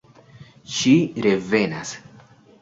Ŝi revenas.